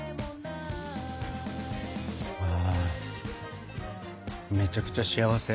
ああめちゃくちゃ幸せ。